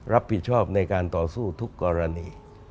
รับผิดชอบในการต่อสู้ทุกกรณี